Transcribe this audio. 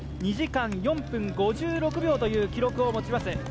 ２時間４分５６秒という記録を持ちます。